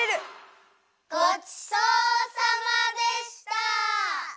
ごちそうさまでした！